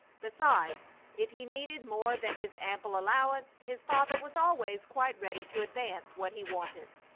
Besides, if he needed more than his ample allowance his father was always quite ready to advance what he wanted.